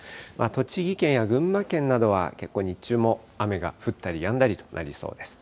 栃木県や群馬県などは、結構日中も雨が降ったりやんだりとなりそうです。